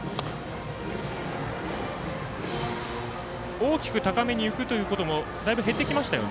大きく高めに浮くということもだいぶ減ってきましたよね。